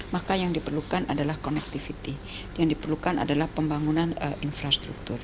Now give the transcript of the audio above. maka yang diperlukan adalah connectivity yang diperlukan adalah pembangunan infrastruktur